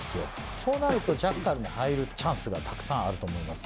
そうなるとジャッカルに入るチャンスがたくさんあると思います。